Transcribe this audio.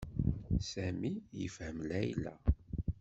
Sami yefhem Layla.